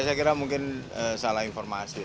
saya kira mungkin salah informasi